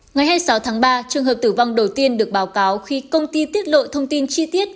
ngày hai mươi sáu tháng ba trường hợp tử vong đầu tiên được báo cáo khi công ty tiết lộ thông tin chi tiết